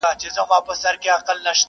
وخت را ښیي مطلبي یاران پخپله.